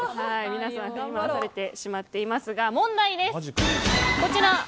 皆さん振り回されてしまっていますが問題です。